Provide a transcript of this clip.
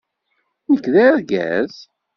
Nekk d argaz.